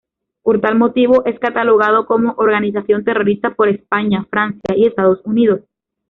Por tal motivo es catalogado como organización terrorista por España, Francia y Estados Unidos.